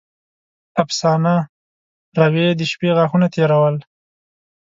افسانه: روې د شپې غاښونه تېرول.